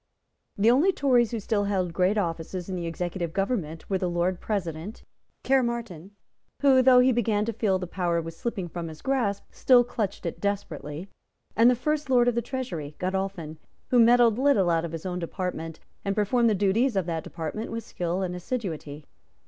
The only Tories who still held great offices in the executive government were the Lord President, Caermarthen, who, though he began to feel that power was slipping from his grasp, still clutched it desperately, and the first Lord of the Treasury, Godolphin, who meddled little out of his own department, and performed the duties of that department with skill and assiduity.